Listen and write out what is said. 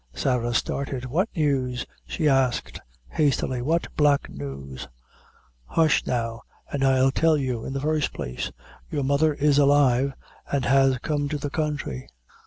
Sarah started. "What news," she asked, hastily "what black news?" "Husth, now, an' I'll tell you; in the first place, your mother is alive, an' has come to the counthry."